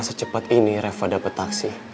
secepat ini reva dapat taksi